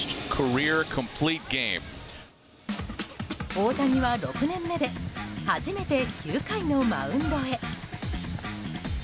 大谷は６年目で初めて９回のマウンドへ。